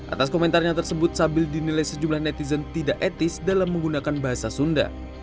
atas komentarnya tersebut sabil dinilai sejumlah netizen tidak etis dalam menggunakan bahasa sunda